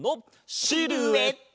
シルエット！